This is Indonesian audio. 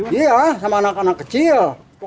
iya sama anak anak kecil